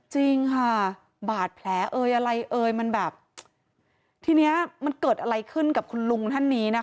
จริงค่ะบาดแผลเอยอะไรเอ่ยมันแบบทีเนี้ยมันเกิดอะไรขึ้นกับคุณลุงท่านนี้นะคะ